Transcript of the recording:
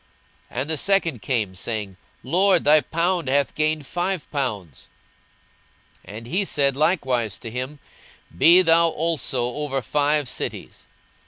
42:019:018 And the second came, saying, Lord, thy pound hath gained five pounds. 42:019:019 And he said likewise to him, Be thou also over five cities.